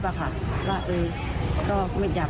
พนักงานในร้าน